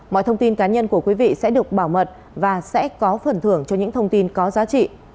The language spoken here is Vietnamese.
mọi thông tin cá nhân của quý vị sẽ được bảo mật và sẽ có phần thưởng cho những thông tin có giá trị